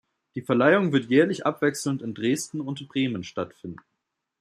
Die Verleihung wird jährlich abwechselnd in Dresden und Bremen stattfinden.